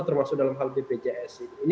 termasuk dalam hal bpjs ini